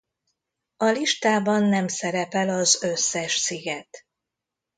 A listában nem szerepel az összes sziget.